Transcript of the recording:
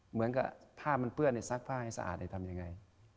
เหมือนกับผ้ามันเปื้อนซักผ้าให้สะอาดทำยังไง